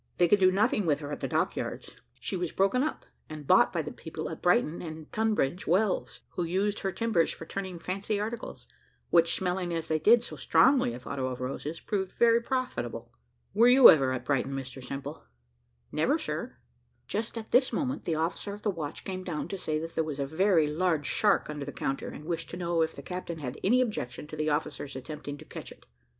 They could do nothing with her at the dock yards. She was broken up, and bought by the people at Brighton and Tunbridge Wells, who used her timbers for turning fancy articles, which, smelling as they did so strongly of otto of roses, proved very profitable. Were you ever at Brighton, Mr Simple?" "Never, sir." Just at this moment, the officer of the watch came down to say that there was a very large shark under the counter, and wished to know if the captain had any objection to the officers attempting to catch it.